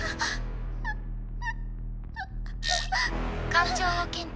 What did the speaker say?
感情を検知。